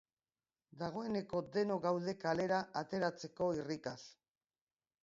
Dagoeneko denok gaude kalera ateratzeko irrikaz.